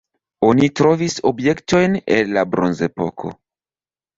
Oni trovis objektojn el la bronzepoko.